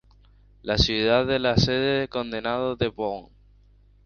La ciudad es la sede del condado de Boone.